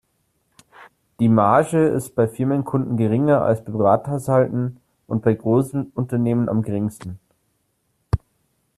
Die Marge ist bei Firmenkunden geringer als bei Privathaushalten und bei Großunternehmen am geringsten.